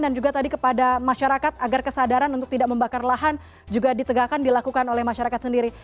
dan juga tadi kepada masyarakat agar kesadaran untuk tidak membakar lahan juga ditegakkan dilakukan oleh masyarakat sendiri